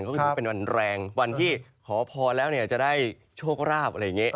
ก็คือเป็นวันแรงวันที่ขอพรแล้วเนี่ยจะได้โชคราบอะไรอย่างนี้